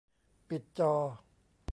ปิดจอ